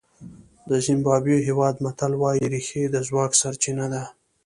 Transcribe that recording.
د زیمبابوې هېواد متل وایي رېښې د ځواک سرچینه ده.